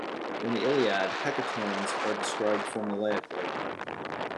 In the Iliad hecatombs are described formulaically.